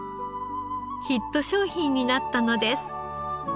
ヒット商品になったのです。